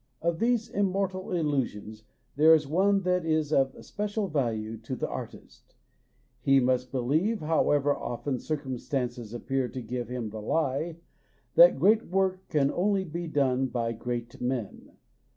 Of these im mortal illusions there is one that is of special value to the artist ; he must believe, however often circumstances appear to give him the lie, that great work can only be done by great men.